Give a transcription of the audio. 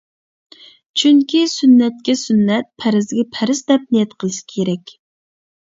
چۈنكى سۈننەتكە سۈننەت، پەرزگە پەرز دەپ نىيەت قىلىش كېرەك.